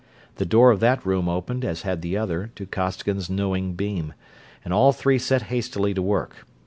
The door of that room opened, as had the other, to Costigan's knowing beam; and all three set hastily to work.